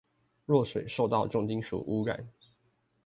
若水受到重金屬污染